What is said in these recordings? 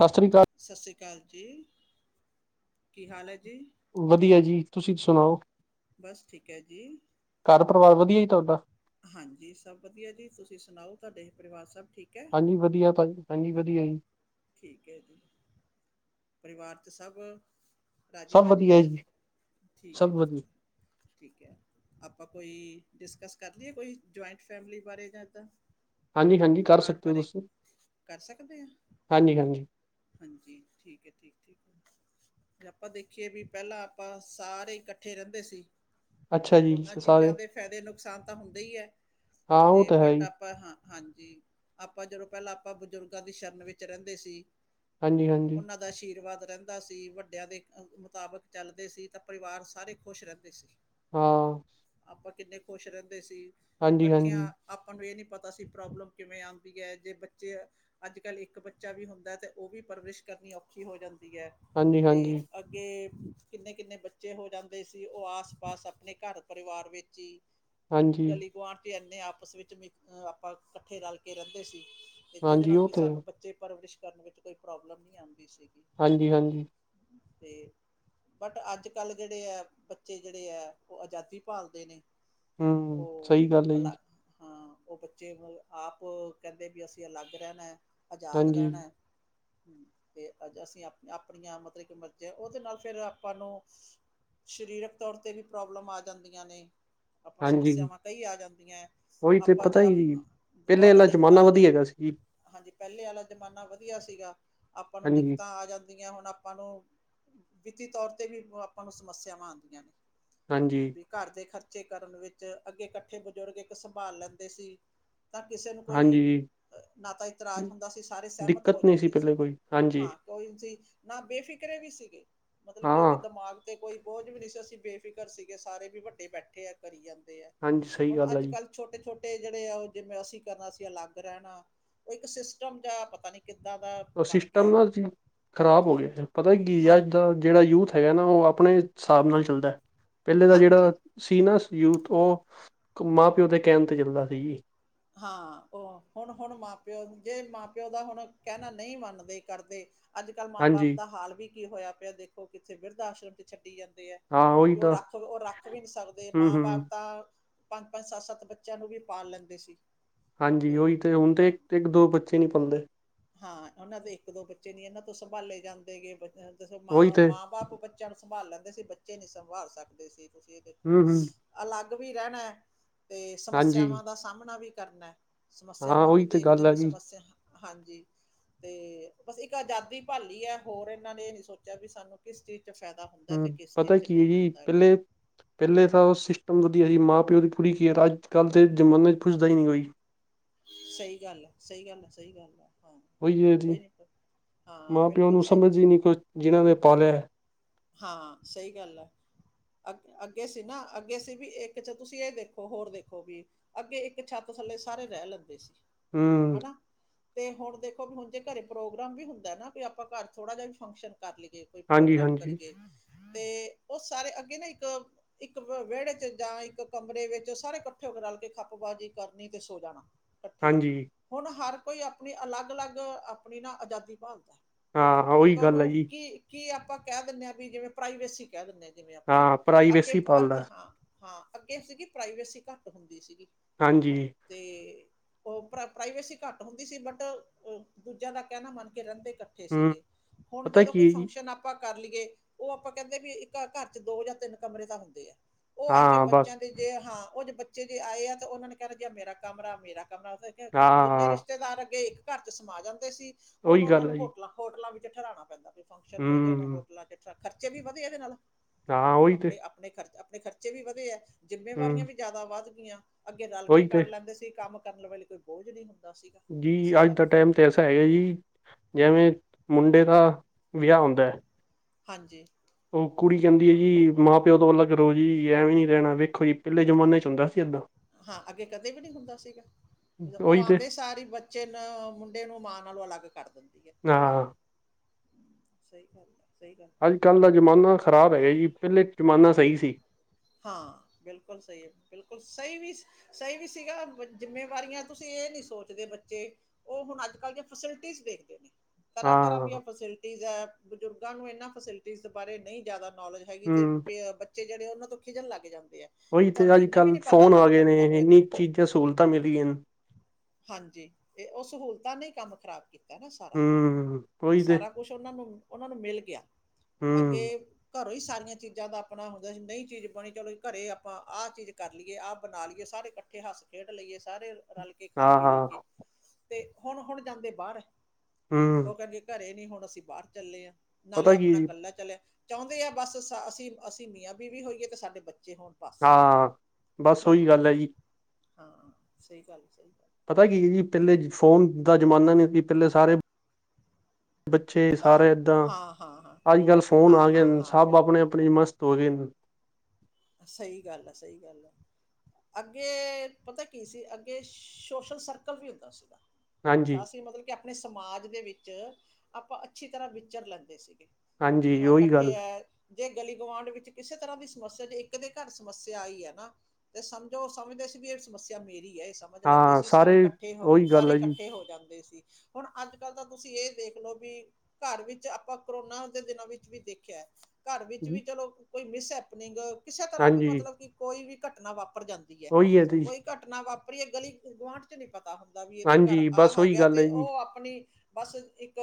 ਸਤਿ ਸ੍ਰੀ ਅਕਾਲ ਲ ਜੀ ਕੀ ਹਾਲ ਹੈ? ਜੀ ਵਧੀਆ ਜੀ ਤੁਸੀਂ ਸੁਣਾਓ? ਬਸ ਠੀਕ ਹੈ ਜੀ ਘਰ ਪਰਿਵਾਰ ਵਧੀਆ ਜੀ ਤੁਹਾਡਾ? ਹਾਂਜੀ, ਸਭ ਵਧੀਆ ਜੀ ਤੁਸੀਂ ਸੁਣਾਓ ਤੁਹਾਡੇ ਪਰਿਵਾਰ ਸਭ ਠੀਕ ਹੈ ਹਾਂਜੀ ਵਧੀਆ ਭਾਜੀ। ਹਾਂਜੀ। ਵਧੀਆ ਜੀ ਠੀਕ ਐ ਜੀ ਪਰਿਵਾਰ ਚ ਸਭ ਤਾਜੀ ਸਭ ਬਾਜੀ ਹੈ? ਵਧੀਆ ਜੀ ਠੀਕ ਹੈ। ਸਭ ਠੀਕ ਵਧੀਆ ਹੈ। ਠੀਕ ਹੈ। ਆਪਾਂ ਕੋਈ ਡਿਸਕਸ ਕਰ ਲਈਏ। ਕੋਈ ਜਆਇੰਟ ਫੈਮਲੀ ਬਾਰੇ ਜਾਦਾ ਹਾਂਜੀ ਹਾਂਜੀ। ਕਰ ਸਕਦੇ ਹੋ ਤੁਸੀ। ਕਰ ਸਕਦੇ ਹਾਂ ਹਾਂਜੀ ਹਾਂਜੀ। ਹਾਂਜੀ। ਠੀਕ ਠੀਕ। ਠੀਕ ਆਪਾਂ ਦੇਖੀਏ ਵੀ ਪਹਿਲਾਂ ਆਪਾਂ ਸਾਰੇ ਇਕੱਠੇ ਰਹਿੰਦੇ ਸੀ ਅੱਛਾ ਜੀ ਦੋਨਾਂ ਸ- ਸਾਰੇ ਚੀਜ਼ਾਂ ਦੇ ਫਾਇਦੇ ਨੁਕਸਾਨ ਤਾਂ ਹੁੰਦੇ ਹੀ ਹੈ ਹਾਂ ਉਹ ਤੇ ਤਾਂ ਹੈ ਬਟ ਹੀ ਆਪਾਂ ਹਾਂ ਹਾਂਜੀ। ਆਪਾਂ ਜਦੋਂ ਪਹਿਲਾਂ ਆਪਾਂ ਬਜ਼ੁਰਗਾਂ ਦੀ ਸ਼ਰਨ ਵਿੱਚ ਰਹਿੰਦੇ ਸੀ। ਹਾਂਜੀ ਹਾਂਜੀ ਉਹਨਾਂ ਦਾ ਆਸ਼ੀਰਵਾਦ ਰਹਿੰਦਾ ਸੀ ਵੱਡਿਆਂ ਦੇ ਮੁਤਾਬਿਕ ਚੱਲਦੇ ਸੀ ਤਾਂ ਪਰਿਵਾਰ ਸਾਰੇ ਖੁਸ਼ ਰਹਿੰਦੇ ਸੀ। ਹਾਂ ਆਪਾਂ ਕਿੰਨੇ ਖੁਸ਼ ਰਹਿੰਦੇ ਸੀ ਹਾਂਜੀ ਹਾਂਜੀ ਇਕੱਠੀਆਂ ਆਪਾਂ ਨੂੰ ਇਹ ਨੀ ਪਤਾ ਸੀ ਪ੍ਰੋਬਲਮ ਕਿਵੇਂ ਆਉਂਦੀ ਹੈ ਜੇ ਬੱਚੇ ਅੱਜ ਕੱਲ ਇੱਕ ਬੱਚਾ ਵੀ ਹੁੰਦਾ ਤੇ ਉਹ ਵੀ ਪਰਵਰਿਸ਼ ਕਰਨੀ ਔਖੀ ਹੋ ਜਾਂਦੀ। ਠੀਕ ਹੈ ਹਾਂਜੀ ਅਤੇ ਹਾਂਜੀ ਅੱਗੇ ਕਿੰਨੇ ਕਿੰਨੇ ਬੱਚੇ ਹੋ ਜਾਂਦੇ ਸੀ ਉਹ ਆਸ ਪਾਸ ਆਪਣੇ ਘਰ ਪਰਿਵਾਰ ਵਿੱਚ ਹੀ ਹਾਂਜੀ ਗਲੀ ਗੁਆਂਢ ਤੇ ਤੇ ਆਪਸ ਵਿੱਚ ਵੀ ਅ ਆਪਾਂ ਇਕੱਠੇ ਰਲ ਕੇ ਰਹਿੰਦੇ ਸੀ। ਤੇ ਜਿਹਦੇ ਹਾਂਜੀ ਨਾਲ ਉਹ ਕਿ ਤੇ ਸਾਨੂੰ ਹੈ। ਬੱਚੇ ਪਰਵਰਿਸ਼ ਕਰਨ ਵਿੱਚ ਕੋਈ ਪ੍ਰੋਬਲਮ ਨਹੀਂ ਆਉਂਦੀ ਸੀ। ਹਾਂਜੀ ਹਾਂਜੀ ਤੇ ਬਟ ਅੱਜ ਕੱਲ ਜਿਹੜੇ ਹੈ ਬੱਚੇ ਜਿਹੜੇ ਹੈ ਉਹ ਆਜ਼ਾਦੀ ਭਾਲਦੇ ਨੇ ਹਮ ਉਹ ਸਹੀ ਗੱਲ ਹੈ ਅਲ ਜੀ। ਹਾਂ ਉਹ ਬੱਚੇ ਆਪ ਕਹਿੰਦੇ ਵੀ ਅਸੀਂ ਅਲੱਗ ਰਹਿਣਾ ਹੈ। ਆਜ਼ਾਦ ਹਾਂਜੀ ਰਹਿਣਾ ਹੈ। ਤੇ ਅੱਜ ਅਸੀਂ ਆਪਣੀਆਂ ਮਤਲਬ ਕਿ ਮਰਜ਼ ਉਹਦੇ ਨਾਲ ਫਿਰ ਆਪਾਂ ਨੂੰ ਸਰੀਰਕ ਤੌਰ ਤੇ ਵੀ ਪ੍ਰੋਬਲਮ ਆ ਜਾਂਦੀਆਂ ਨੇ। ਆਪਾਂ ਹਾਂਜੀ ਸਮੱਸਿਆਵਾਂ ਕਈ ਆ ਜਾਂਦੀਆਂ ਹੈ ਉਹੀ ਤੇ ਆਪਾਂ ਪਤਾ ਜ ਹੀ ਜੀ ਪਹਿਲੇ ਬਹੁਤ ਵਾਲਾ ਦਿੱਕਤਾਂ ਜ਼ਮਾਨਾ ਆ ਵਧੀਆ ਹੈਗਾ ਸੀ ਜੀ ਜਾਂਦੀਆਂ ਹਾਂਜੀ। ਪਹਿਲੇ ਵਾਲਾ ਜ਼ਮਾਨਾ ਵਧੀਆ ਸੀਗਾ। ਆਪਾਂ ਨੂੰ ਹਾਂਜੀ ਦਿੱਕਤਾਂ ਆ ਜਾਂਦੀ। ਹੁਣ ਆਪਾਂ ਨੂੰ ਵਿੱਤੀ ਤੌਰ ਤੇ ਵੀ ਆਪਾਂ ਨੂੰ ਸਮੱਸਿਆਵਾਂ ਆਉਂਦੀਆਂ ਨੇ ਹਾਂਜੀ ਵੀ ਘਰ ਦੇ ਖਰਚ ਬੱਚੇ ਕਰਨ ਵਿੱਚ ਅੱਗੇ ਇਕੱਠੇ ਬਜ਼ੁਰਗ ਇੱਕ ਸੰਭਾਲ ਲੈਂਦੇ ਸੀ। ਤਾਂ ਕਿਸੇ ਨੂੰ ਕੋਈ ਹਾਂਜੀ ਨਾ ਤਾਂ ਇਤਰਾਜ ਹੁੰਦਾ ਸੀ ਸਾਰੇ ਸਹਿਮਤ ਹੋ ਦਿੱਕਤ ਨਹੀਂ ਜਾਂਦੇ ਸੀ। ਪਹਿਲੇ ਕੋਈ ਹਾਂਜੀ ਹਾਂ ਕੋਈ ਸੀ ਹਾ ਬੇਫਿਕਰੇ ਵੀ ਸੀਗੇ ਮਤਲਬ ਕਿ ਹਾਂ ਵੀ ਦਿਮਾਗ ਤੇ ਕੋਈ ਬੋਝ ਵੀ ਨਹੀਂ ਸੀ ਅਸੀਂ ਬੇਫਿਕਰ ਸੀਗੇ ਸਾਰੇ ਵੀ ਵੱਡੇ ਬੈਠੇ ਆ ਕਰੀ ਜਾਂਦੇ। ਆ ਹਾਂਜੀ ਸਹੀ ਹੁਣ ਗੱਲ ਹੈ ਅੱਜ ਜੀ। ਕੱਲ੍ਹ ਛੋਟੇ ਛੋਟੇ ਜਿਹੜੇ ਆ ਉਹ ਜਿਵੇਂ ਅਸੀਂ ਕਰਨਾ ਸੀ ਅਲੱਗ ਰਹਿਣਾ ਉਹ ਇੱਕ ਸਿਸਟਮ ਜ ਪਤਾ ਨੀ ਕਿੱਦਾਂ ਦਾ ਬਣ ਸਿਸਟਮ ਗਿਆ ਨਾ ਖ਼ਰਾਬ ਹੋ ਹਾਂ ਗਿਆ ਪਤਾ ਕੀ ਅੱਜ ਹਾਂਜੀ ਦਾ ਜਿਹੜਾ ਯੂਥ ਹੈਗਾ ਨਾ ਉਹ ਆਪਣੇ ਹਿਸਾਬ ਨਾਲ ਚੱਲਦਾ। ਪਹਿਲੇ ਦਾ ਜਿਹੜਾ ਹਾਂਜੀ ਸੀ ਨਾ ਯੂਥ ਉਹ, ਮਾਂ ਪਿਓ ਦੇ ਕਹਿਣ ਤੇ ਚੱਲਦਾ ਸੀ ਜੀ। ਹਾਂ, ਉਹ ਹੁਣ ਹੁਣ ਮਾਂ ਪਿਓ ਜੇ ਮਾਂ ਪਿਓ ਦਾ ਹੁਣ ਕਹਿਣਾ ਨਹੀਂ ਮੰਨਦੇ ਕਰਦੇ। ਅੱਜ ਕੱਲ੍ਹ ਮਾਂ ਬਾਪ ਹਾਂਜੀ ਦਾ ਹਾਲ ਵੀ ਕੀ ਹੋਇਆ ਪਿਆ। ਦੇਖੋ ਕਿੱਥੇ ਵਰਿਦ ਆਸ਼ਰਮ ਚ ਛੱਡੀ ਜਾਂਦੀ। ਹਾਂ ਉਹੀ ਵੀ ਉਹ ਤਾਂ ਰੱਖ ਉਹ ਰੱਖ ਵੀ ਨਹੀਂ ਸਕਦੇ ਹੂੰ ਮਾਂ ਹੂੰ ਬਾਪ ਤਾਂ ਪੰਜ-ਪੰਜ, ਸੱਤ-ਸੱਤ ਬੱਚਿਆਂ ਨੂੰ ਵੀ ਪਾਲ ਲੈਂਦੇ ਸੀ। ਹਾਂਜੀ। ਉਹੀ ਤੇ ਹੁਣ ਤੇ ਇੱਕ-ਇੱਕ ਦੋ ਬੱਚੇ ਨਹੀਂ ਪਲ਼ਦੇ। ਹਾਂ, ਉਹਨਾਂ ਦੇ ਇੱਕ ਦੋ ਬੱਚੇ ਨ ਇਹਨਾਂ ਤੋਂ ਸੰਭਾਲੇ ਜਾਂਦੇ ਹਗੇ। ਦੱਸੋ ਉਹੀ ਤੇ ਮਾਂ-ਮਾਂ ਬਾਪ ਬੱਚਿਆਂ ਨੂੰ ਸੰਭਾਲ ਲੈਂਦੇ ਸੀ। ਬੱਚੇ ਨੀ ਸੰਭਾਲ ਸਕਦੇ ਸੀ। ਤੁਸੀਂ ਇਹ ਦੇਖੋ ਹੂੰ ਹੂੰ ਅਲੱਗ ਵੀ ਰਹਿਣਾ ਐ। ਤੇ ਹਾਂਜੀ ਸਮੱਸਿਆਵਾਂ ਦਾ ਸਾਹਮਣਾ ਵੀ ਕਰਨਾ। ਹਾਂ ਸਮੱਸਿਆਵਾਂ ਵੀ ਉਹੀ ਤੇ ਦੇਖਦੇ ਗੱਲ ਵੀ ਹੈਗੀ ਸਮੱਸਿਆ ਹਾਂਜੀ। ਤੇ ਬਸ ਇੱਕ ਆਜ਼ਾਦੀ ਭਾਲੀ ਹੈ। ਹੋਰ ਇਹਨਾਂ ਨੇ ਇਹ ਨ ਸੋਚਿਆ ਵੀ ਸਾਨੂੰ ਕਿਸ ਚੀਜ਼ ਚ ਫਾਇਦਾ ਹੁੰਦਾ ਹੂੰ, ਤੇ ਕਿਸ ਚੀਜ਼ ਪਤਾ ਚ ਕੀ ਹੈ ਨਹੀਂ ਜੀ। ਹੁੰਦਾ ਹੈਗਾ ਪਹਿਲੇ-ਪਹਿਲੇ ਤਾਂ ਉਹ ਸਿਸਟਮ ਅਸੀਂ ਮਾਂ ਪਿਓ ਦੀ ਪੁਰੀ ਕੇਅਰ। ਅੱਜ ਕੱਲ੍ਹ ਦੇ ਜ਼ਮਾਨੇ ਚ ਪੁੱਛਦਾ ਹੀ ਨਹੀਂ ਕੋਈ। ਸਹੀ ਗੱਲ ਐ। ਸਹੀ ਗੱਲ ਐ। ਸਹੀ ਗੱਲ ਐ। ਉਹੀ ਜੀ। ਹਾਂ ਮਾਂ ਪਿਓ ਬਿਲਕੁਲ ਨੂੰ ਸਹੀ ਸਮਝ ਹੀ ਨਹੀਂ, ਕੁਛ ਜਿਹਨਾਂ ਨੇ ਪਾਲਿਆ ਐ। ਹਾਂ, ਸਹੀ ਗੱਲ ਐ। ਅ ਅੱਗੇ ਸੀ ਨਾ ਅੱਗੇ ਸੀ ਵੀ ਇੱਕ ਚ ਤੁਸੀਂ ਇਹ ਦੇਖੋ ਹੋਰ ਦੇਖੋ ਵੀ ਅੱਗੇ ਇੱਕ ਛੱਤ ਥੱਲੇ ਸਾਰੇ ਰਹਿ ਲੈਂਦੇ ਸੀ ਹੂੰ। ਹਨਾ ਤੇ ਹੁਣ ਦੇਖੋ ਵੀ ਹੁਣ ਜੇ ਘਰੇ ਪ੍ਰੋਗਰਾਮ ਵੀ ਹੁੰਦਾ ਨਾ ਆਪਾਂ ਘਰ ਥੋੜ੍ਹਾ ਜਿਹਾ ਵੀ ਫੰਕਸ਼ਨ ਕਰ ਲਈਏ ਕੋਈ ਹਾਂਜੀ ਪ੍ਰੋਗਰਾਮ ਹਾਂਜੀ ਕਰਕੇ। ਤੇ ਉਹ ਸਾਰੇ ਅੱਗੇ ਨਾ ਇੱਕ-ਇੱਕ ਵਿਹੜੇ ਚ ਜਾਂ ਇੱਕ ਕਮਰੇ ਵਿੱਚ ਸਾਰੇ ਇਕੱਠੇ ਹੋ ਕੇ ਰਲ ਕੇ ਖੱਪਬਾਜੀ ਕਰਨੀ ਤੇ ਸੋ ਜਾਣਾ। ਇਕੱਠ ਹਾਂਜੀ ਹੁਣ ਹਰ ਕੋਈ ਆਪਣੀ ਅਲੱਗ ਅਲੱਗ ਆਪਣੀ ਨਾ ਆਜ਼ਾਦੀ ਭਾਲਦਾ। ਹਾਂ, ਇੱਕ ਉਹੀ ਗੱਲ ਹੈ ਉਹਨੂੰ ਜੀ। ਕੀ ਕੀ ਆਪਾਂ ਕਹਿ ਦਿੰਦੇ ਆ ਵੀ ਜਿਵੇਂ ਪ੍ਰਾਈਵੇਸੀ ਕਹਿ ਦਿੰਦੇ ਹਾਂ। ਜਿਵੇਂ ਆਪਣੇ ਹਾਂ ਅੱਗੇ ਪ੍ਰਾਈਵੇਸੀ ਪਾਲਦਾ ਅੱਗੇ ਹਾਂ। ਹਾਂ, ਅੱਗੇ ਸੀਗੀ ਪ੍ਰਾਈਵੇਸੀ ਘੱਟ ਹੁੰਦੀ ਸੀਗੀ। ਹਾਂਜੀ। ਓ ਪ੍ਰਾਈਵੇਸੀ ਘੱਟ ਹੁੰਦੀ ਸੀ। ਬਟ ਦੂਜਿਆਂ ਦਾ ਕੈਣਾ ਮੰਨਕੇ ਰੇਂਦੇ। ਕੱਠੇ ਹੂੰ ਸੀਗੇ। ਹੁਣ ਪਤਾ ਜਦੋਂ ਕੀ ਕੋਈ ਹੈ ਜੀ ਫੰਕਸ਼ਨ ਆ- ਕਰ ਲਈਏ ਉਹ ਆਪਾਂ ਕੇਂਦੇ ਵੀ ਇੱਕ ਘਰ 'ਚ ਦੋ ਜਾਂ ਤਿੰਨ ਕਮਰੇ ਤਾਂ ਹੁੰਦੇ ਆ। ਓ ਆ ਕੇ ਹਾਂ ਬਸ ਬੱਚਿਆਂ ਦੇ ਜੇ ਹਾਂ। ਓ ਜੇ ਬਚ- ਪੇ ਜੇ ਆਏ ਆ ਤੇ ਉਨਾਂ ਨੇ ਕੇਣਾ ਆ ਮੇਰਾ ਕਮਰਾ। ਆ ਮੇਰਾ- ਹਾਂ [unintelligible] ਜਿੰਨੇ ਹਾਂ, ਰਿਸ਼ਤੇਦਾਰ ਅੱਗੇ ਇੱਕ- ਘਰ 'ਚ ਸਮਾ ਜਾਣ ਦੇ ਸੀ ਹੁਣ ਉਹੀ ਉਨਾਂ ਗੱਲ ਨੂੰ ਹੈ ਜੀ ਹੋਟਲਾਂ -ਹੋਟਲਾਂ ਵਿੱਚ- ਤੇ ਠਰਾਣਾ ਪੈਂਦਾ। ਕੋਈ ਫੰਕਸ਼ਨ- ਉਦੇ ਉਨਾ ਹੂੰ ਹੋਟਲਾ ਚਢ- ਖਰਚੇ ਵੀ ਵਧੇ ਇਦੇ ਨਾਲ- ਹਾਂ ਉਹੀ ਤੇ ਆਪਣੇ ਆਪਣੇ ਖਰਚ- ਤੇ ਖਰਚੇ ਵੀ ਵਧੇ ਐ। ਜਿੰਮੇਵਾਰੀਆਂ ਹੂੰ ਵੀ ਜ਼ਾਦਾ ਵੱਧ- ਈਆਂ। ਅੱਗੇ ਰਲ ਕੇ ਉਹੀ ਤੇ ਕਰ ਲੈਂਦੇ ਸੀ ਕੰਮ। ਕਰਨ ਵਲੇ ਕੋਈ ਬੋਝਦੀ ਨੀ। ਜੀ ਅੱਜ ਦਾ ਟੈਮ ਤੇ ਐਸਾ ਹੈਗਾ ਜੀ। ਜਿਵੇਂ ਮੁੰਡੇ ਦਾ- ਵਿਆਹ ਹੁੰਦਾ ਐ। ਹਾਂਜੀ ਹੁਣ ਕੁੜੀ ਕੇਂਦੀ ਏ ਜੀ ਮਾਂ ਪਿਓ ਤੋਂ ਅਲੱਗ ਰੋ ਜੀ। ਐਵੇਂ ਨੀ ਰੇਣਾ ਵੇਖੋ ਜੀ ਪੇਲੇ ਜਮਾਨੇ 'ਚ ਹੁੰਦਾ ਸੀ ਏਦਾਂ। ਹਾਂ ਅੱਗੇ ਕਦੇ ਵੀ ਨੀ ਹੁੰਦਾ ਸੀਗਾ। ਓ ਉਹੀ ਤੇ ਆਂਦੇ ਸਾਰ ਈ ਬੱਚੇ ਨੂੰ ਮੁੰਡੇ ਨੂੰ ਮਾਂ ਨਾਲੋਂ ਅਲੱਗ- ਕਰਦੇ। ਆਹ। ਸਈ ਗੱਲ ਐ। ਅੱਜ ਕੱਲ੍ਹ ਦਾ ਜ਼ਮਾਨਾ ਖ਼ਰਾਬ ਹੈਗਾ ਜੀ। ਪੇਲੇ ਜ਼ਮਾਨਾ ਸਈ ਸੀ। ਚ ਹਾਂ- ਬਿਲਕੁਲ ਸਈ ਏ। ਬਿਲਕੁਲ ਸਈ ਵੀ ਸ ਸਈ ਵੀ ਸੀਗਾ। ਜ਼ਿੰਮੇਵਾਰੀਆਂ ਤੁਸੀਂ ਏ ਨੀ ਸੋਚਦੇ ਬੱਚੇ ਓ ਹੁਣ ਅੱਜ ਕੱਲ੍ਹ ਦੀਆਂ ਫੈਸਿਲਿਟੀਜ਼ ਵੇਖਦੇ ਨੇ। ਤਰ੍ਹਾਂ ਹਾਂ ਤਰ੍ਹਾਂ ਦੀਆਂ ਫੈਸਿਲਿਟੀਜ ਐ। ਬਜ਼ੁਰਗਾਂ ਨੂੰ ਇਨਾਂ ਫੈਸਿਲਿਟੀਸ਼ਜ ਬਾਰੇ ਨਈ ਜ਼ਾਦਾ- ਨੌਲੇਜ ਹੈਗੀ ਤੇ। ਹਮ ਪੇ ਬਚ- ਜਿਹੜੇ ਉਨਾਂ ਤੋਂ- ਖਿਜਣ ਲੱਗ ਜਾਂਦੇ। ਆ ਉਹੀ ਵੀ ਤੇ ਤੁਹਾਨੂੰ ਅੱਜ ਇੰਨਾ ਵੀ ਕੱਲ੍ਹ ਨੀ ਪਤਾ ਫੋਨ ਆ ਲੱਗਦਾ ਗਏ ਨੇ। ਤੁਹਾਨੂੰ ਇਨਾ ਇੰਨੀ ਚੀਜ਼ਾਂ ਸਹੂਲਤਾਂ ਮਿਲੀਆਂ ਹਨ। ਹਾਂਜੀ। ਤੇ ਓ ਸਹੂਲਤਾਂ ਨੇ ਈ ਕੰਮ ਖ਼ਰਾਬ ਕੀਤਾ। ਕੀਤਾ ਨਾ ਸਾਰਾ ਹਮ ਵੀ ਉਹੀ ਤੇ ਸਾਰਾ ਕੁਛ ਉਨਾਂ ਨੂੰ- ਉਹਨਾਂ ਨੂੰ ਮਿਲ ਗਿਆ। ਅੱਗੇ ਹਮ ਘਰੋਂ ਹੀ ਸਾਰੀਆਂ ਚੀਜ਼ਾਂ ਦਾ ਆਪਣਾ ਹੁੰਦਾ ਸੀ ਨਹੀਂ ਚੀਜ਼ ਬਣੀ ਚਲੋ ਘਰੇ ਆਪਾਂ ਆਹ ਚੀਜ਼ ਕਰ ਲਈਏ ਆਹ ਬਣਾ ਲਈਏ ਸਾਰੇ ਇਕੱਠੇ ਹੱਸ ਖੇਡ ਲਈਏ ਸਾਰੇ, ਕੇ ਖਾ ਹਾਂ ਪੀ ਲੈ ਹਾਂ ਕੇ ਤੇ ਹੁਣ- ਹੁਣ ਜਾਂਦੇ ਬਾਹਰ ਹਮ ਉਹ ਕਹਿੰਦੀ ਘਰੇ ਨਹੀਂ ਹੁਣ ਹੁਣ ਅਸੀਂ ਬਾਹਰ ਚੱਲੇ ਹਾਂ। ਨਾਲੇ ਪਤਾ ਕੀ ਆਪਣਾ ਜੀ ਇਕੱਲਾ ਚੱਲਿਆ। ਚਾਹੁੰਦੇ ਆ ਬਸ ਅਸੀਂ ਅਸੀਂ ਮੀਆਂ ਬੀਵੀ ਹੋਈਏ ਤੇ ਸਾਡੇ ਬੱਚੇ ਹੋਣ ਬਸ ਹਾਂ ਬਸ ਹੁਣ ਉਹੀ ਇਹ ਗੱਲ ਹੈ ਚਾਹ ਜੀ ਹਾਂ ਸਹੀ ਗੱਲ ਸਹੀ ਗੱਲ ਪਤਾ ਕੀ ਹੈ ਜੀ ਪਹਿਲੇ ਫ਼ੋਨ ਦਾ ਜ਼ਮਾਨਾ ਨਹੀਂ ਕਿ ਪਹਿਲੇ ਸਾਰੇ ਬੱਚੇ ਹਾਂ ਸਾਰੇ ਏਦਾਂ ਹਾਂ ਹਾਂ ਹਾਂ ਅੱਜ ਕੱਲ੍ਹ ਘਟਨਾ- ਫੋਨ ਆ ਹਾਂ ਗਏ ਹਾਂ ਨੇ ਹਾਂ ਸਭ ਬਿਲਕੁਲ ਆਪਣੇ ਬਿਲਕੁਲ ਆਪਣੇ ਮਸਤ ਹੋ ਗਏ ਨੇ ਸਹੀ ਗੱਲ ਹੈ ਸਹੀ ਗੱਲ ਹੈ ਅੱਗੇ ਪਤਾ ਕੀ ਸੀ ਅੱਗੇ ਸੋਸ਼ਲ ਸਰਕਲ ਵੀ ਹੁੰਦਾ ਉਸਦਾ ਹਾਂਜੀ ਅਸੀਂ ਮਤਲਬ ਕਿ ਆਪਣੇ ਸਮਾਜ ਦੇ ਵਿੱਚ ਆਪਾਂ ਅੱਛੀ ਤਰ੍ਹਾਂ ਵਿਚਰ ਲੈਂਦੇ ਸੀਗੇ ਵੀ ਹਾਂਜੀ ਹਾਂ ਉਹੀ ਇਕੱਠੇ ਗੱਲ ਹੈ ਜੇ ਗਲੀ ਗੁਵਾਂਢ ਵਿੱਚ ਕਿਸੇ ਤਰ੍ਹਾਂ ਦੀ ਸਮੱਸਿਆ ਜੇ ਕਿਦੇ ਘਰ ਸਮੱਸਿਆ ਹੀ ਹੈ ਨਾ ਤੇ ਸਮਝੋ ਸਮਝਦੇ ਸੀ ਵੀ ਇਹ ਸਮੱਸਿਆ ਮੇਰੀ ਇਹ ਸਮਝ ਲੈਂਦੇ ਹਾਂ ਸੀ ਸਾਰੇ ਇਕੱਠੇ ਹੋ ਉਹੀ ਗੱਲ ਸਾਰੇ ਹੈ ਇਕੱਠੇ ਹੋ ਜਾਂਦੇ ਸੀ। ਹੁਣ ਅੱਜ ਕੱਲ੍ਹ ਤਾਂ ਤੁਸੀਂ ਇਹ ਦੇਖ ਲਓ ਵੀ ਘਰ ਵਿੱਚ ਆਪਾਂ ਕਰੋਨਾ ਦੇ ਦਿਨਾਂ ਵਿੱਚ ਵੀ ਦੇਖਿਆ। ਘਰ ਵਿੱਚ ਵੀ ਜੀ ਚਲੋ ਕੋਈ ਮਿਸਐਪਨਿੰਗ ਕਿਸੇ ਤਰ੍ਹਾਂ ਵੀ ਹਾਂਜੀ ਮਤਲਬ ਕਿ ਕੋਈ ਵੀ ਘਟਨਾ ਵਾਪਰ ਵਾਪਰ ਜਾਂਦੀ ਹੈ ਉਹੀ ਤੇ ਕੋਈ ਘਟਨਾ ਵਾਪਰ ਗਲੀ ਗੁਆਂਢ ਚੋਂ ਨੀ ਪਤਾ ਹੁੰਦਾ ਵੀ ਇਹਦੇ ਘਰ ਹਾਂਜੀ ਬਸ ਆਹ ਹੈ ਉਹੀ ਗਿਆ ਗੱਲ ਤੇ ਜੀ ਉਹ ਆਪਣੀ ਬਸ ਇੱਕ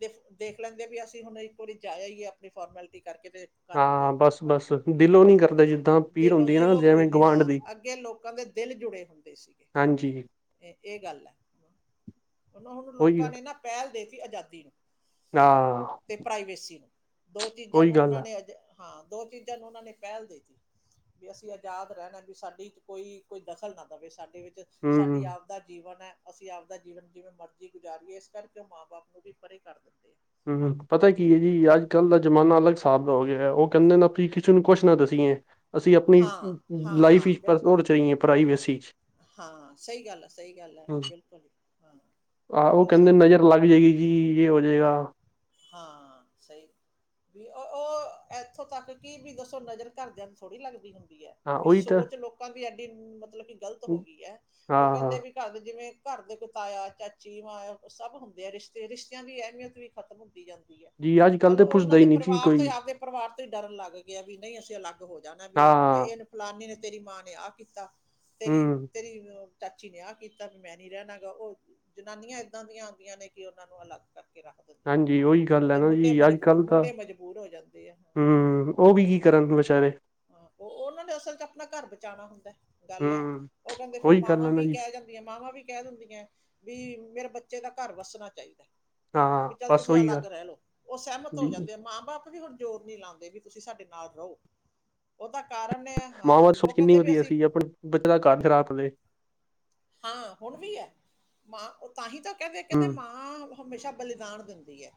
ਦੇਖ ਦੇਖ ਲੈਂਦੇ ਵੀ ਅਸੀਂ ਹੁਣ ਇੱਕ ਵਾਰੀ ਜਾਇਆ ਹੀ ਹੈ ਆਪਣੀ ਫੋਰਮੈਲਿਟੀ ਕਰਕੇ ਤੇ ਕਰ ਲਈਏ ਹਾਂ ਆਪਣਾ ਬਸ ਬਸ ਕੰਮ ਦਿਲੋਂ ਨੀ ਕਰਦਾ ਜਿੱਦਾਂ ਪੀੜ ਦਿਲੋਂ ਹੁੰਦੀ ਹੈ ਨਾ ਦਿਲੋਂ ਜਿਵੇਂ ਕੋਈ ਨੀ ਗੁਵਾਂਢ ਹਾਂ ਦੀ ਅੱਗੇ ਲੋਕਾਂ ਦੇ ਦਿਲ ਜੁੜੇ ਹੁੰਦੇ ਸੀਗੇ ਹਾਂਜੀ ਇਹ ਇਹ ਗੱਲ ਹੈ। ਉਹ ਹੁਣ ਉਹੀ ਲੋਕਾਂ ਨੇ ਨਾ ਪਹਿਲ ਦੇ ਆਜ਼ਾਦੀ ਨੂੰ ਹਾਂ ਤੇ ਪ੍ਰਾਈਵੇਸੀ ਨੂੰ ਦੋ ਚੀਜ਼ਾਂ ਉਹੀ ਨੂੰ ਗੱਲ ਉਹਨਾਂ ਆ ਨੇ ਅੱਜ ਹਾਂ ਦੋ ਚੀਜ਼ਾਂ ਨੂੰ ਉਹਨਾਂ ਨੇ ਪਹਿਲ ਦੇਤੀ ਵੀ ਅਸੀਂ ਆਜ਼ਾਦ ਰਹਿਣਾ ਵੀ ਸਾਡੀ ਚ ਕੋਈ ਕੋਈ ਦਖ਼ਲ ਨਾ ਦੇਵੇ ਸਾ ਵਿੱਚ ਸਾਡੀ ਹਮ ਆਪਦਾ ਜੀਵਨ ਹੈ ਅਸੀਂ ਆਪਦਾ ਜੀਵਨ ਜਿਵੇਂ ਮਰਜੀ ਗੁਜ਼ਾਰੀਏ ਇਸ ਕਰਕੇ ਮਾਂ ਬਾਪ ਨੂੰ ਵੀ ਪਰੇ ਕਰ ਦਿੰਦੇ ਹਮ ਆ ਪਤਾ ਕੀ ਹੈ ਜੀ ਕਿਵੇਂ ਅੱਜ ਕਰ ਕੱਲ੍ਹ ਦਾ ਜ਼ਮਾਨਾ ਅਲੱਗ ਹਿਸਾਬ ਦਾ ਹੋ ਗਿਆ ਕਹਿੰਦੇ ਨਾ ਆਪਣੀ ਕਿਸੇ ਨੂੰ ਕੁੱਛ ਨਾ ਦਸੀਏ ਅਸੀਂ ਆਪਣੀ ਹਾਂ, ਹਾਂ, ਲਾਈਫ ਹਾਂ ਵਿੱਚ ਪਰ ਬਿਲਕੁਲ। ਹੋਰ ਚਹੀਏ ਪ੍ਰਾਈਵੇਸੀ ਹ ਹਾਂ, ਸਹੀ ਗੱਲ ਐ, ਸਹੀ ਗੱਲ ਐ, ਬਿਲਕੁਲ ਈ, ਹਾਂ। ਆਹ ਉਹ ਬਿਲਕੁਲ ਕਹਿੰਦੇ ਸਹੀ ਐ, ਨਜ਼ਰ ਲੱਗ ਜਾਏਗੀ ਜੀ ਯੇ ਹੋ ਜਾਏਗਾ ਹਾਂ, ਹਾਂ ਸਹੀ ਵੀ ਉਹ ਉਹ ਇੱਥੋਂ ਤੱਕ ਕੀ ਵੀ ਦੱਸੋ ਨਜ਼ਰ ਘਰਦਿਆਂ ਥੋੜੀ ਲਗਦੀ ਹੈ ਹਾਂ ਵੀ ਉਹੀ ਤਾਂ ਸੋਚ ਲੋਕਾਂ ਬਈ ਐਡੀ ਮਤਲਬ ਕਿ ਗ਼ਲਤ ਹੋ ਗਈ ਹੈ ਉਹ ਹਾਂ ਹਾਂ ਕਹਿੰਦੇ ਵੀ ਘਰ ਦੇ ਜਿਵੇਂ ਘਰ ਦੇ ਕੋ ਤਾਇਆ ਚਾਚੀ ਮਾਇ ਸਭ ਹੁੰਦੇ ਆ ਰਿਸ਼ਤੇ ਰਿਸ਼ਤਿਆਂ ਦੀ ਅਹਿਮੀਅਤ ਵੀ ਖ਼ਤਮ ਹੁੰਦੀ ਜਾਂਦੀ ਐ। ਜੀ ਅੱਜ ਕੱਲ੍ਹ ਅਲ- ਤਾਂ ਪੁੱਛਦਾ ਉਹਨਾਂ ਹੀ ਦੇ ਨਹੀਂ ਜੀ ਪਰਿਵਾਰ ਤੋਂ ਹੀ ਕੋਈ ਆਪਦੇ ਪਰਿਵਾਰ ਡਰਨ ਲੱਗ ਗਿਆ ਵੀ ਨਹੀਂ ਅਸੀਂ ਅਲਗ ਹੋ ਜਾਣਾ ਵੀ ਹਾਂ ਇਹਨ ਫਲਾਨੀ ਨੇ ਤੇਰੀ ਮਾਂ ਨੇ ਆਹ ਕੀਤਾ ਤੇਰੀ ਹਮ ਤੇਰੀ ਚਾਚੀ ਨੇ ਆਹ ਕੀਤਾ ਵੀ ਮੈਂ ਨੀ ਰਹਿਣਾ ਗਾ ਉਹ ਜਨਾਨੀਆਂ ਏਦਾਂ ਦੀਆਂ ਆਉਂਦੀਆਂ ਨੇ ਕਿ ਉਹਨਾਂ ਨੂੰ ਅਲੱਗ ਕਰ ਹਾਂਜੀ ਉਹੀ ਗੱਲ ਹੈ ਨਾ ਜੀ ਅੱਜ ਮਜਬੂਰ ਕੱਲ੍ਹ ਤਾਂ ਮੁੰਡੇ ਮਜਬੂਰ ਹੋ ਜਾਂਦੇ ਆ ਹਾਂ, ਹਮ ਉਹ ਵੀ ਕੀ ਸਹੀ ਕਰਨ ਵਿਚਾਰੇ ਉਹ ਉਹਨਾਂ ਨੇ ਅਸਲ ਚ ਆਪਣਾ ਘਰ ਬਚਾਉਣਾ ਹੁੰਦਾ ਗੱਲ ਹੈ ਹੂੰ, ਉਹ ਕਹਿੰਦੇ ਫੇਰ ਉਹੀ ਗੱਲ ਆ ਮਾਵਾਂ ਨਾ ਵੀ ਜੀ ਕਹਿ ਜਾਂਦੀਆਂ ਮ ਮਾਵਾਂ ਵੀ ਕਹਿ ਦਿੰਦੀਆਂ ਵੀ ਮੇਰੇ ਬੱਚੇ ਦਾ ਘਰ ਵੱਸਣਾ ਚਾਈਦਾ। ਹਾਂ ਵੀ ਚੱਲ ਬਸ ਤੁਸੀਂ ਉਹੀ ਗੱਲ ਅਲੱਗ ਰਹਿ ਲੋੋ ਉਹ ਸਹਿਮਤ ਹੋ ਜੀ ਜਾਂਦੇ ਆ ਮਾਂ ਬਾਪ ਵੀ ਹੁਣ ਜ਼ੋਰ ਨੀਂ ਲਾਉਂਦੇ ਵੀ ਤੁਸੀਂ ਸਾਡੇ ਨਾਲ ਰਹੋ। ਉਹ ਤਾਂ ਕਾਰਨ ਹੈ ਹਾਂ ਮਾਂਵਾ ਸੋਚ ਕਿੰਨੀ ਵਧੀਆ ਸੀ, ਆਪਣੇ ਬੱਚੇ ਦਾ ਘਰ ਖਰਾਬ ਕਰੇ ਹਾਂ, ਹੁਣ ਵੀ ਐ ਮਾਂ ਤਾਂਹੀ ਤਾਂ ਕਹਿੰਦੇ ਕਹਿੰਦੇ ਹੂੰ, ਮਾਂ ਹਮੇਸ਼ਾ ਬਲੀਦਾਨ ਦਿੰਦੀ ਐ।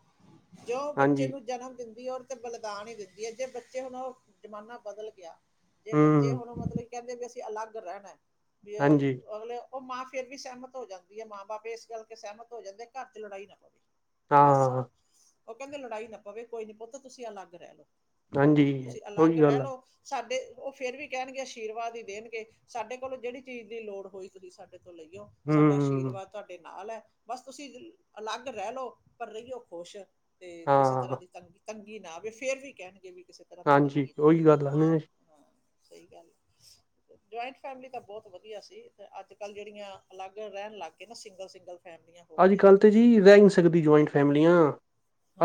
ਜੋ ਬੱਚੇ ਹਾਂਜੀ ਨੂੰ ਜਨਮ ਦਿੰਦ ਵੀ ਉਹ ਤੇ ਬਲੀਦਾਨ ਹੀ ਦਿੰਦੀ ਐ, ਜੇ ਬੱਚੇ ਹੁਣ ਉਹ ਜ਼ਮਾਨਾ ਬਦਲ ਗਿਆ। ਜੇ ਬੱਚੇ ਹੂੰ, ਹੁਣ ਮਤਲਬ ਕੀ ਕਹਿੰਦੇ ਵੀ ਅਲੱਗ ਰਹਿਣੈ ਵੀ ਆ ਹਾਂਜੀ ਅਗਲੇ ਉਹ ਮਾਂ ਫਿਰ ਵੀ ਸਹਿਮਤ ਹੋ ਜਾਂਦੀ ਐ, ਮਾਂ ਬਾਪ ਇਸ ਕਰਕੇ ਸਹਿਮਤ ਹੋ ਜਾਂਦੇ ਘਰ ਚ ਲੜਾਈ ਨਾ ਪਵੇ ਬਸ ਹਾਂ ਉਹ ਕਹਿੰਦੇ ਲੜਾਈ ਨਾ ਪਵੇ, ਕੋਈ ਨੀ ਪੁੱਤ ਤੁਸੀਂ ਅਲੱਗ ਰਹਿ ਲੋ ਹਾਂਜੀ ਤੁਸੀਂ ਅਲੱਗ ਉਹੀ ਰਹਿ ਗੱਲ ਆ ਲੋੋ, ਸਾਡੇ ਉਹ ਫਿਰ ਵੀ ਕਹਿਣਗੇ ਆਸ਼ੀਰਵਾਦ ਹੀ ਦੇਣਗੇਂ, ਸਾਡੇ ਕੋਲੋਂ ਜਿਹੜੀ ਚੀਜ਼ ਦੀ ਲੋੜ ਹੋਈ ਤੁਸੀਂ ਸਾਡੇ ਭੁੱਲ ਗਏ ਹੋ ਸਾਡਾ ਹੂੰ, ਆਸ਼ੀਰਵਾਦ ਤੁਹਾਡੇ ਨਾਲ ਐ। ਬਸ ਤੁਸੀਂ ਅਲੱਗ ਰਹਿ ਲੋਓ ਪਰ ਰਹੀਓ ਖੁਸ਼ ਤੇ ਕਿਸੇ ਤਰ੍ਹਾਂ ਹਾਂ ਦੀ ਤਂਗੀ ਤੰਗੀ ਨਾਂ ਆਵੇ ਫੇਰ ਵੀ ਕਹਿਣਗੇ ਵੀ ਕਿਸੇ ਤਰ੍ਹਾਂ ਦੀ ਹਾਂਜੀ ਤੰਗੀ ਨਾਂ ਉਹੀ ਗੱਲ ਆ ਮਾਂ ਸਹੀ ਗੱਲ ਏ, ਜੁਆਇੰਟ ਫੈਮਿਲੀ ਤਾਂ ਬਹੁਤ ਵਧੀਆ ਸੀ। ਤੇ ਅੱਜ-ਕੱਲ੍ਹ ਜਿਹੜੀਆਂ ਅਲੱਗ ਰਹਿਣ ਲੱਗ ਗਏ ਨਾ ਸਿੰਗਲ, ਸਿੰਗਲ ਫੈਮਲੀਆਂ ਹੋ ਗਈਆਂ ਅੱਜ-ਕੱਲ੍ਹ ਤੇ ਜਿਹੜੀਆਂ ਜੀ ਰਹਿ ਨਹੀਂ ਸਕਦੀ ਜੁਆਇੰਟ ਫੈਮਲੀਆਂ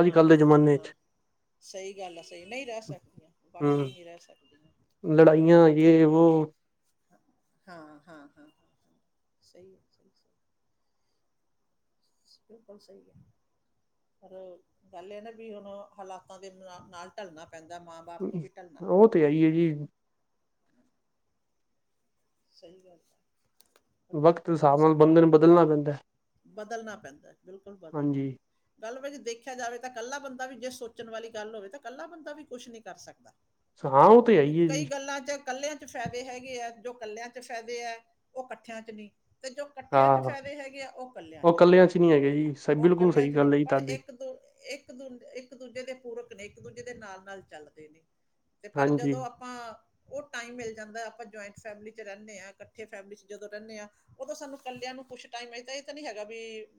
ਅੱਜ ਕੱਲ੍ਹ ਦੇ ਹਾਂ, ਹਾਂ, ਜ਼ਮਾਨੇ ਹਾਂ। ਚ ਸਹੀ ਗੱਲ ਐ, ਸਹੀ ਨਈਂ ਰਹਿ ਸਕਦੇ ਵਾਕੇ ਹੂੰ, ਨਈਂ ਰਹਿ ਸਕਦੈ ਸਹੀ ਲੜਾਈਆਂ ਗੱਲ ਯੇ ਵੋ ਹਾਂ, ਹਾਂ, ਹਾਂ, ਸਹੀ ਬਿਲਕੁਲ ਸਹੀ ਐ ਪਰ ਗੱਲ ਇਹ ਨਾਂ ਵੀ ਹੁਣ ਹਾਲਾਤਾਂ ਦੇ ਨਾਲ-ਨਾਲ ਢਲਣਾ ਪੈਂਦਾ ਮਾਂ ਬਾਪ ਨੂੰ ਵੀ ਢਲਣਾ ਉਹ ਪੈਂਦਾ ਤੇ ਹੈ ਹੀ ਹੈ ਜੀ ਸਹੀ ਗੱਲ ਕਰ ਵਕਤ ਦੇ ਕੁਛ ਨੀਂ ਹਿਸਾਬ ਨਾਲ ਬੰਦੇ ਨੂੰ ਸਕਦਾ। ਬਦਲਣਾ ਪੈਂਦਾ ਬਦਲਣਾ ਪੈਂਦਾ ਬਿਲਕੁਲ ਬਦਲਣਾ ਹਾਂਜੀ ਗੱਲ ਵਿੱਚ ਦੇਖਿਆ ਜਾਵੇ ਤਾਂ ਕੱਲਾ ਬੰਦਾ ਵੀ ਜੇ ਸੋਚਣ ਵਾਲੀ ਗੱਲ ਹੋਵੇ ਤਾਂ ਇਕੱਲਾ ਬੰਦਾ ਵੀ ਕੁਛ ਨੀਂ ਕਰ ਸਕਦਾ। ਹਾਂ ਉਹ ਤੇ ਹੈਈ ਏ ਜੀ ਇਕੱਲਿਆਂ ਚ ਫਾਇਦੇ ਹੈਗੇ ਹੈ ਜੋ ਕੱਲਿਆਂ ਚ ਫਾਇਦੇ ਹੈ ਉਹ ਇਕੱਠਿਆਂ ਚ ਨਹੀਂ ਤੇ ਜੋ ਇਕੱਠਿਆਂ ਚ ਹਾਂ ਫਾਇਦੇ ਹੈਗੇ ਆ ਉਹ ਕੱਲਿਆਂ ਚ ਨਹੀਂ ਹੈਗੇ ਜੀ ਸ ਉਹ ਬਿਲਕੁਲ ਕੱਲਿਆਂ ਸਹੀ ਚ ਗੱਲ ਨਹੀਂ ਹੈ ਜੀ ਪਰ ਤੁਹਾਡੀ ਇੱਕ ਦੁ ਇੱਕ ਦੁ, ਇੱਕ ਦੂਜੇ ਦੇ ਪੂਰਕ ਨੇ ਇੱਕ ਦੂਜੇ ਦੇ ਨਾਲ-ਨਾਲ ਚੱਲਦੇ ਨੇ ਤੇ ਪਰ ਹਾਂਜੀ ਜਦੋਂ ਆਪਾਂ ਉਹ ਟਾਈਮ ਮਿਲ ਜਾਂਦਾ ਆਪਾਂ ਜੁਆਇੰਟ ਫੈਸਿਲੀ ਰਹਿੰਦੇ ਆਾਂ ਇਕੱਠੇ ਫੈਮਲੀ ਚ ਜਦੋਂ ਰਹਿੰਦੇ ਆਂ ਉਦੋਂ ਸਾਨੂੰ ਕੱਲਿਆਂ ਨੂੰ ਕੁਛ ਟਾਈਮ ਇਹ ਤਾਂ ਨੀ ਹੈਗਾ ਵੀ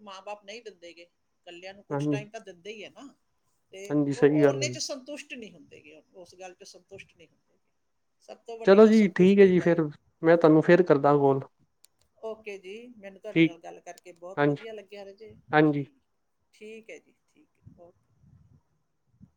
ਮਾਂ ਬਾਪ ਨਹੀਂ ਦਿੰਦੇ ਗੇ ਕੱਲਿਆਂ ਨੂੰ ਕੁਛ ਹਾਂਜੀ ਟਾਈਮ ਤਾਂ ਦਿੰਦੇ ਹੀ ਹੈ ਨਾ ਤੇ ਹਾਂਜੀ ਸਹੀ ਉਹ ਗੱਲ ਹੈ ਓਨੇ ਚ ਜੀ ਸੰਤੁਸ਼ਟ ਨਹੀਂ ਹੁੰਦੇ ਹੈਗੇ ਉਸ ਗੱਲ ਚ ਸੰਤੁਸ਼ਟ ਨਹੀਂ ਹੁੰਦੇ ਸਭ ਤੋਂ ਵੱਡੀ ਚਲੋ ਤਾਂ ਜੀ ਠੀਕ ਸੰਤੁਸ਼ਟੀ ਹੈ ਹੀ ਜੀ ਫਿਰ ਚਾਹੀਦੀ। ਮੈਂ ਤੁਹਾਨੂੰ ਫਿਰ ਕਰਦਾ ਕੋਲ ਓਕੇ ਜੀ ਮੈਨੂੰ ਤੁਹਾਡੇ ਠੀਕ ਨਾਲ ਗੱਲ ਕਰਕੇ ਬਹੁਤ ਹਾਂਜੀ ਵਧੀਆ ਲੱਗਿਆ ਰਜਏ ਹਾਂਜੀ ਠੀਕ ਹੈ ਜੀ ਠੀਕ ਹੈ ਓਕੇ।